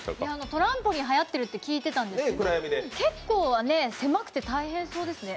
トランポリン、はやってるって聞いてたんですけど結構、狭くて大変そうですね。